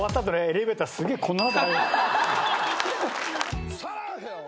エレベーターすげえこんな。